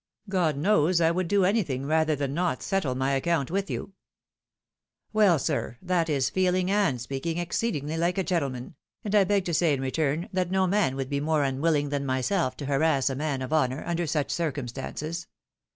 God knows I would do anything rather than not settle my account with you." " Welly sir, that is feehng and speaking exceedingly like a gentleman ; and I beg to say in return that no man would be more unwilling than myself to harass a man of honour, under such circumstances.